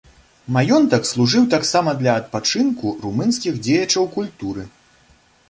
Маёнтак служыў таксама для адпачынку румынскіх дзеячаў культуры.